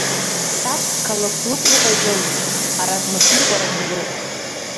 Саб Калақәлықә иҟаиҵози, аратә мышныҟәарак бжьоуп.